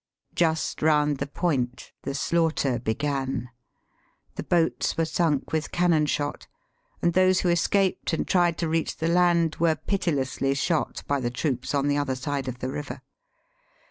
Just round the point the slaughter began. The boats were sunk with cannon shot, and those who escaped and tried to reach the land were pitilessly shot by the troops on the other side of the river.